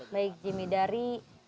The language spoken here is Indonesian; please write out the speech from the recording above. baik jimmy dari